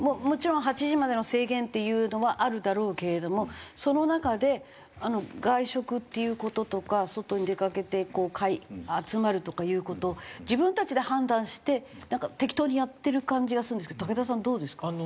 もちろん８時までの制限っていうのはあるだろうけれどもその中で外食っていう事とか外に出かけて集まるとかいう事を自分たちで判断してなんか適当にやってる感じがするんですけど竹田さんどうですか？